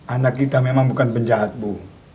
anak kita memang bukan penjahat bu